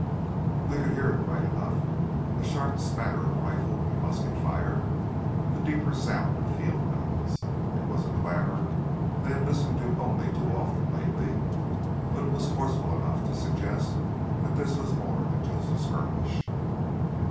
They could hear it right enough, the sharp spatter of rifle and musket fire, the deeper sound of field guns. It was a clamor they had listened to only too often lately, but now it was forceful enough to suggest that this was more than just a skirmish.